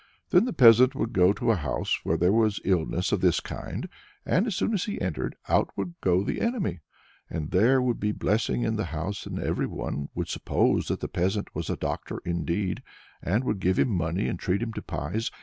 Then the peasant would go to a house where there was illness of this kind, and, as soon as he entered, out would go the enemy; then there would be blessing in the house, and everyone would suppose that the peasant was a doctor indeed, and would give him money, and treat him to pies.